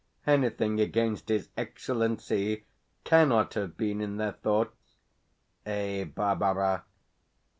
Anything against his Excellency CANNOT have been in their thoughts. Eh, Barbara?